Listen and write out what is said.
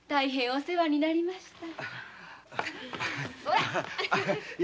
お世話になりました。